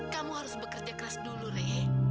kamu harus bekerja keras dulu rey